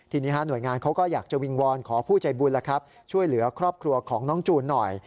ทีนี้หน่วยงานเขาก็อยากจะวิงวอนขอผู้ใจบุญช่วยเหลือครอบครัวของน้องจูนหน่อย